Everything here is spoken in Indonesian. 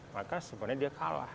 maka sebenarnya dia kekalahan